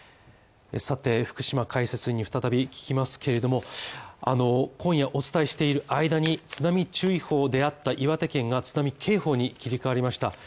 さて福島解説に再び聞きますけれども今夜お伝えしている間に津波注意報であった岩手県が津波警報に切り替わりました。